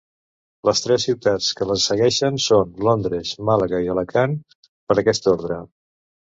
Les tres ciutats que les segueixen són Londres, Màlaga i Alacant, per aquest ordre.